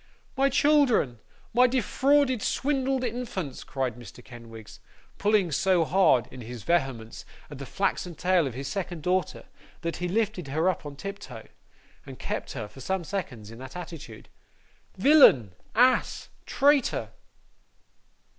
'My children, my defrauded, swindled infants!' cried Mr. Kenwigs, pulling so hard, in his vehemence, at the flaxen tail of his second daughter, that he lifted her up on tiptoe, and kept her, for some seconds, in that attitude. 'Villain, ass, traitor!